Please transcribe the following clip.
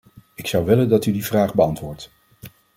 Ik zou willen dat u die vraag beantwoordt.